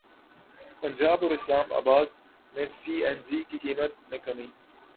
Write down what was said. پنجاب اور اسلام اباد میں C N G کی قیمت میں کمی